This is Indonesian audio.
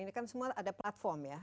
ini kan semua ada platform ya